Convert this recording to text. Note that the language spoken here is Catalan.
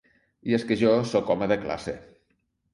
I és que jo sóc home de classe.